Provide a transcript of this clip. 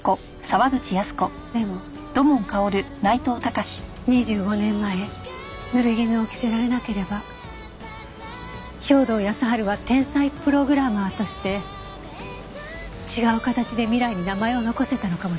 でも２５年前濡れ衣を着せられなければ兵働耕春は天才プログラマーとして違う形で未来に名前を残せたのかもしれない。